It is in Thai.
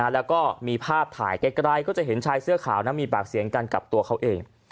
แล้วก็มีภาพถ่ายไกลก็จะเห็นชายเสื้อขาวมีปากเสียงกันกับตัวเขาเอง